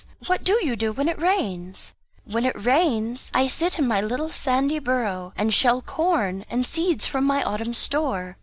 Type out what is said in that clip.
What do you do when it rains?" "When it rains, I sit in my little sandy burrow and shell corn and seeds from my Autumn store.